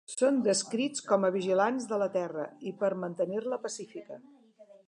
Són descrits com a vigilants de la terra i per mantenir-la pacífica.